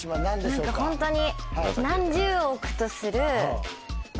何かホントに。